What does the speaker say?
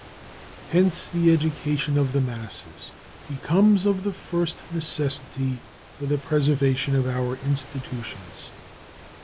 Hence the education of the masses becomes of the first necessity for the preservation of our institutions.